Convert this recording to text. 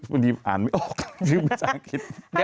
คือลืมภาษาอังกฤษ